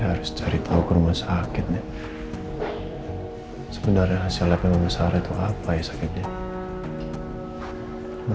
saya harus mencari tahu ke rumah sakit sebenarnya hasilnya memang sarah itu apa ya sakitnya